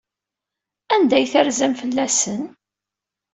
Anda ay terzam fell-asen?